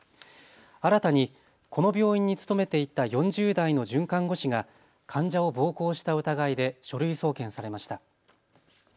新たにこの病院に勤めていた４０代の准看護師が患者を暴行した疑いで書類送検されました。